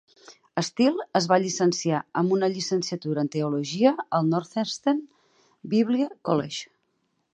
Steele es va llicenciar amb una llicenciatura en teologia al Northeastern Bible College.